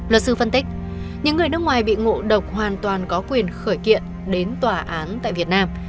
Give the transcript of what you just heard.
luật sư phân tích những người nước ngoài bị ngộ độc hoàn toàn có quyền khởi kiện đến tòa án tại việt nam